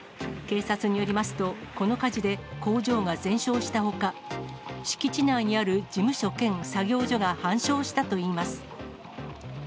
警察によりますと、この火事で工場が全焼したほか、敷地内にある事務所兼作業所が半焼したといいます。